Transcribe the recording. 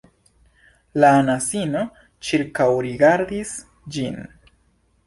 La anasino ĉirkaŭrigardis ĝin.